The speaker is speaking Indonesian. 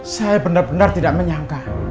saya bener bener tidak menyangka